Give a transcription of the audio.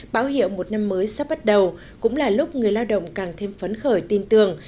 báo hiệu một năm mới sắp bắt đầu cũng là lúc người lao động càng thêm phấn khởi tin tưởng